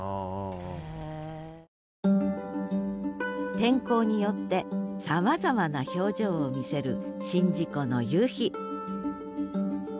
天候によってさまざまな表情を見せる宍道湖の夕日